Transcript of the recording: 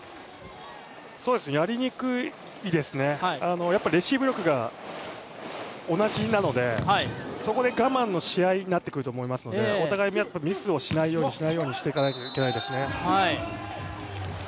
やりにくいですね、やっぱレシーブ力が同じなのでそこで我慢のし合いになってくると思うのでお互いにミスをしないようにしていかなきゃいけないですね。